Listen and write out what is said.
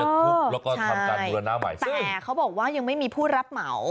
ทุกข์แล้วก็ทำการบูรณาใหม่แต่เขาบอกว่ายังไม่มีผู้รับเหมา